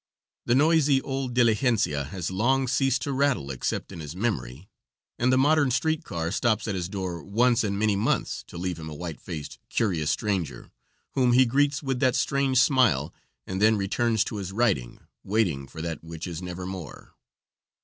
The noisy old diligencia has long ceased to rattle except in his memory, and the modern street car stops at his door once in many months to leave him a white faced, curious stranger, whom he greets with that strange smile and then returns to his writing, waiting for that which is nevermore.